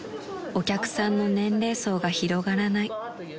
［お客さんの年齢層が広がらない］